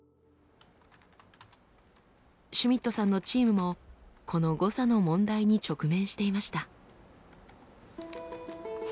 シュミットさんのチームもこの誤差の問題に直面していました。